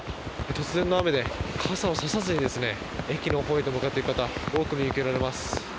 突然の雨で傘を差さずに駅のほうへと向かっていく方多く見受けられます。